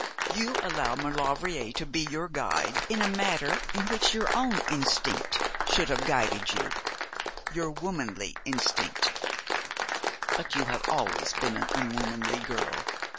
You allow Maulevrier to be your guide in a matter in which your own instinct should have guided you your womanly instinct! But you have always been an unwomanly girl.